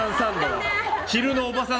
昼のおばさん